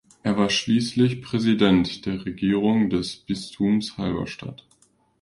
Er war schließlich Präsident der Regierung des Bistums Halberstadt.